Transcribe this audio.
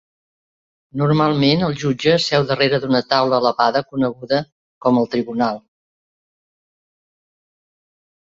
Normalment el jutge seu darrere d'una taula elevada coneguda com al tribunal.